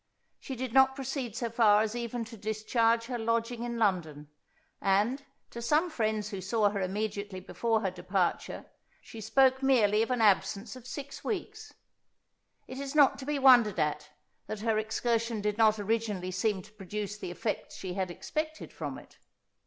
She did not proceed so far as even to discharge her lodging in London; and, to some friends who saw her immediately before her departure, she spoke merely of an absence of six weeks. It is not to be wondered at, that her excursion did not originally seem to produce the effects she had expected from it.